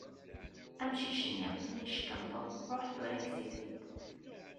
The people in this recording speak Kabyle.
Amcic-nni, mi yeckenṭeḍ, ṛuḥ tura kkes-it-id.